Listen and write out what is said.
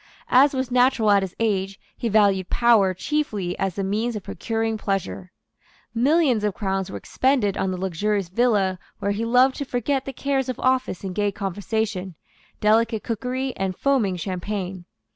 As was natural at his age, he valued power chiefly as the means of procuring pleasure. Millions of crowns were expended on the luxurious villa where he loved to forget the cares of office in gay conversation, delicate cookery and foaming champagne.